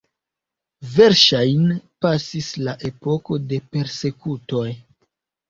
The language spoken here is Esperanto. Verŝajne pasis la epoko de persekutoj.